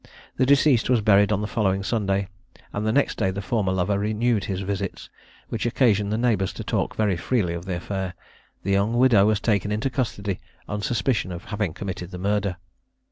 The deceased was buried on the following Sunday, and the next day the former lover renewed his visits; which occasioning the neighbours to talk very freely of the affair, the young widow was taken into custody on suspicion of having committed the murder.